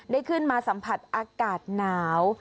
ได้ขึ้นมาสัมผัสอากาศหนาว